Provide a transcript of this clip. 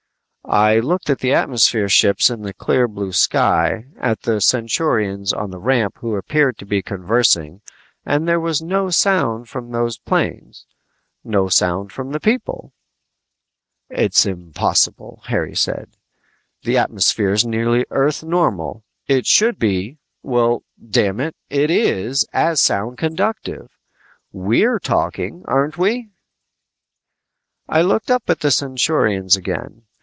I looked at the atmosphere ships in the clear blue sky, at the Centaurians on the ramp who appeared to be conversing and there was no sound from those planes, no sound from the people! "It's impossible," Harry said. "The atmosphere's nearly Earth normal. It should be well, damn it, it is as sound conductive; we're talking, aren't we?" I looked up at the Centaurians again.